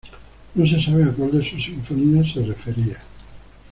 No se sabe a cual de sus sinfonías se refería.